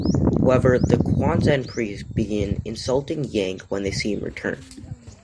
However, the Quanzhen priests begin insulting Yang when they see him return.